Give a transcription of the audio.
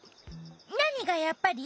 なにが「やっぱり」？